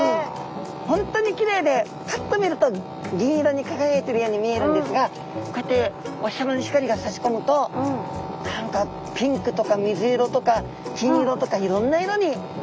本当にきれいでパッと見ると銀色に輝いているように見えるんですがこうやってお日さまの光がさし込むと何かピンクとか水色とか金色とかいろんな色に。